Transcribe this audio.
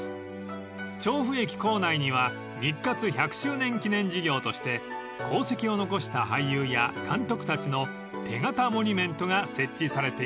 ［調布駅構内には日活１００周年記念事業として功績を残した俳優や監督たちの手形モニュメントが設置されています］